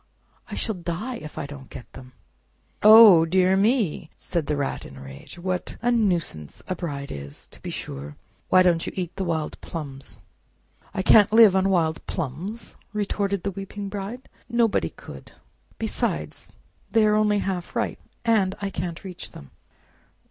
I shall die if I don't get them!" "Oh, dear me!" cried the Rat in a rage, "what a nuisance a bride is, to be sure! Why don't you eat the wild plums?" "I can't live on wild plums!" retorted the weeping Bride; "nobody could; besides, they are only half ripe, and I can't reach them."